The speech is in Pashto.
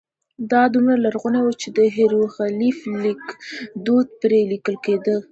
دا دومره لرغونی و چې د هېروغلیف لیکدود پرې لیکل کېده.